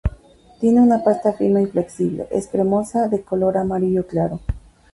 Tiene una pasta firme y flexible, es cremosa, de color amarillo claro.